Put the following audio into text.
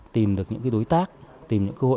tìm được những đối tác tìm những cơ hội